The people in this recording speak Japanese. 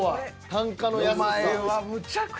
単価の安さ。